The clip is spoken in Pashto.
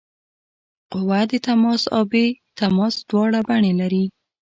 قوه د تماس او بې تماس دواړه بڼې لري.